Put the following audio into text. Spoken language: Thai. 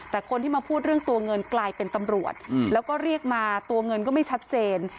แต่คนที่มาพูดเรื่องตัวเงินกลายเป็นตำรวจแล้วก็เรียกมาตัวเงินก็ไม่ชัดเจน